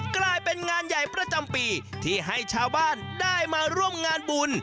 กลายเป็นงานใหญ่ประจำปีที่ให้ชาวบ้านได้มาร่วมงานบุญ